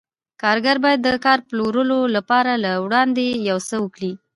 کارګر باید د کار پلورلو لپاره له وړاندې یو څه ولري